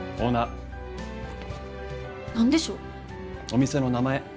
お店の名前